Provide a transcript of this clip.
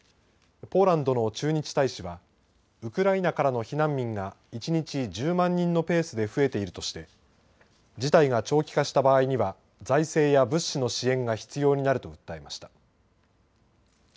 ポーランドの駐日大使はウクライナからの避難民が一日１０万人のペースで増えているとして事態が長期化した場合には財政や物資の支援が必要になると訴えました。